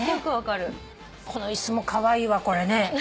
この椅子もカワイイわこれね。